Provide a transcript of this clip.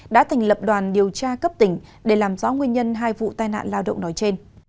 đã thành lập đoàn điều tra cấp tỉnh để làm rõ nguyên nhân hai vụ tai nạn lao động nói trên